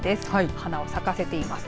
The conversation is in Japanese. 花を咲かせています。